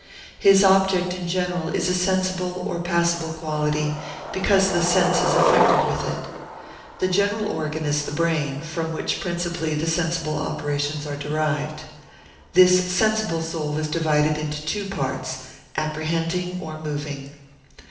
His object in general is a sensible or passible quality, because the sense is affected with it. The general organ is the brain, from which principally the sensible operations are derived. This sensible soul is divided into two parts, apprehending or moving.